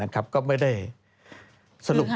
ก็ไม่ได้สรุป